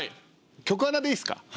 局アナでいいですか？